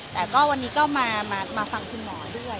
แต่ก็วันนี้ก็มาฟังคุณหมอด้วย